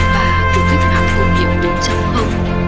và cục cách mạng công nghiệp bốn